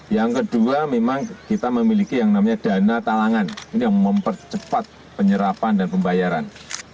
yang kedua memang kita memiliki yang namanya dana talangan ini yang mempercepat penyerapan dan pembayaran